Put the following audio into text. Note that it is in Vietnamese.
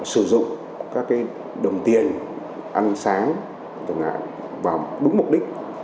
sử dụng các cái đồng tiền ăn sáng từng ngày và đúng mục đích